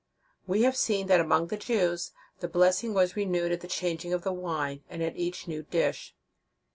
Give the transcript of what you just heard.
We have seen that among the Jews, the blessing was renewed at the changing of the wine, and at each new dish.